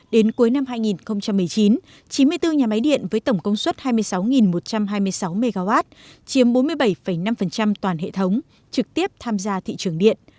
đến cuối năm hai nghìn một mươi chín chín mươi bốn nhà máy điện với tổng công suất hai mươi sáu một trăm hai mươi sáu mw chiếm bốn mươi bảy năm toàn hệ thống trực tiếp tham gia thị trường điện